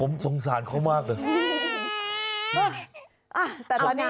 ผมสงสารเขามากเลย